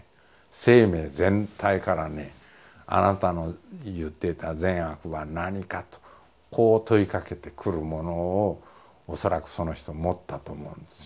生命全体からね「あなたの言っていた善悪は何か」とこう問いかけてくるものを恐らくその人持ったと思うんですよ。